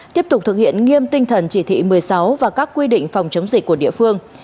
tiếp tục thực hiện nghiêm tinh thần chỉ thị một mươi sáu và các quy định phòng chống dịch của địa phương